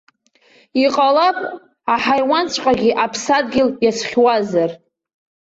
Иҟалап, аҳаиуанҵәҟьагьы аԥсадгьыл иазхьуазар.